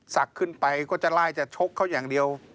ขึ้นไปก็จะไล่จะชกเขาอย่างเดียว